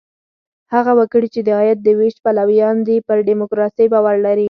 هغه وګړي، چې د عاید د وېش پلویان دي، پر ډیموکراسۍ باور لري.